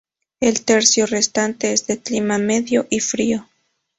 El tercio restante es de clima medio y frío.